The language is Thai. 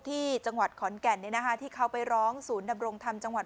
ที่จังหวัดขอนแก่นที่เขาไปร้องศูนย์ดำรงธรรมจังหวัด